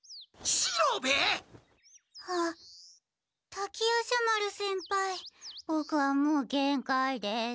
滝夜叉丸先輩ボクはもうげんかいです。